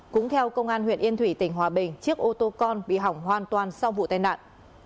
cũng theo công an huyện yên thủy tỉnh hòa bình chiếc ô tô con bị hỏng hoàn toàn sau vụ tai nạn